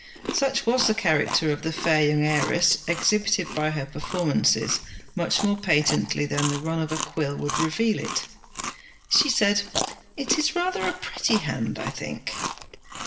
Such was the character of the fair young heiress, exhibited by her performances much more patently than the run of a quill would reveal it. She said, 'It is rather a pretty hand, I think.'